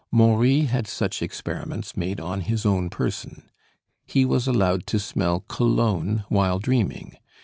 Maury had such experiments made on his own person. He was allowed to smell cologne while dreaming.